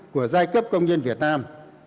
của giai cấp công nhân việt nam